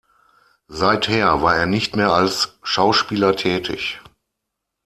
Seither war er nicht mehr als Schauspieler tätig.